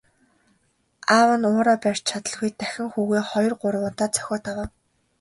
Аав нь уураа барьж чадалгүй дахин хүүгээ хоёр гурван удаа цохиод авав.